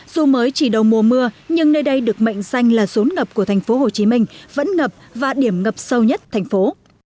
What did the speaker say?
dù mới chỉ đầu mùa mưa nhưng nơi đây được mệnh danh là rốn ngập của tp hcm vẫn ngập và điểm ngập sâu nhất thành phố